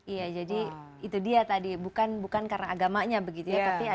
iya jadi itu dia tadi bukan karena agamanya begitu ya